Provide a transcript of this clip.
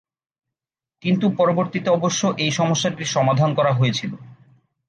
কিন্তু পরবর্তীতে অবশ্য এই সমস্যাটির সমাধান করা হয়েছিল।